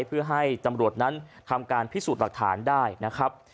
เพื่อให้ตำรวจนั้นทำการพิสูจน์หลักฐานได้นะครับ